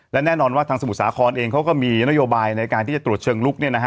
และแน่นอนว่าทางสมุทรสาครเองเขาก็มีนโยบายในการที่จะตรวจเชิงลุก